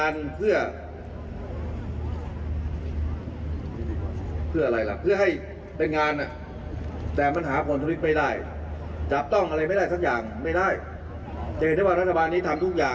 แล้วก็เรื่องทุจริตเป็นเรื่องสำคัญที่สุด